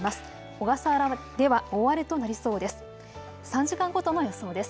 小笠原では大荒れとなりそうです。